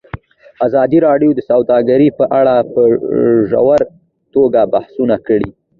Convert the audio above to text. ازادي راډیو د سوداګري په اړه په ژوره توګه بحثونه کړي.